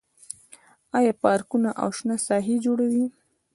آیا پارکونه او شنه ساحې جوړوي؟